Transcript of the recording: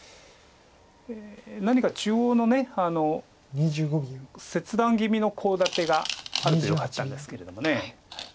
何か中央の切断気味のコウ立てがあるとよかったんですけれども。